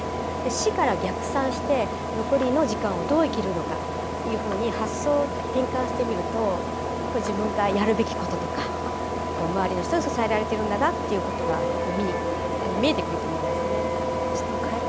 死から逆算して残りの時間をどう生きるのかというふうに発想を転換してみると自分がやるべきこととか周りの人に支えられているんだなっていうことがやっぱり見えてくると思うんですね。